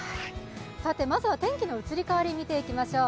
さて、まずは天気の移り変わりを見ていきましょう。